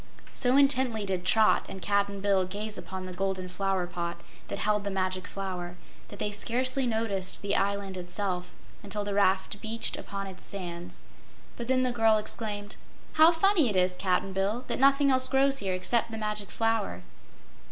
So intently did Trot and Cap'n Bill gaze upon the Golden Flower pot that held the Magic Flower that they scarcely noticed the island itself until the raft beached upon its sands. But then the girl exclaimed: "How funny it is, Cap'n Bill, that nothing else grows here excep' the Magic Flower."